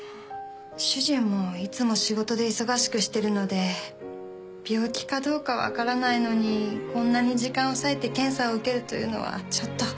主人もいつも仕事で忙しくしてるので病気かどうか分からないのにこんなに時間を割いて検査を受けるというのはちょっと。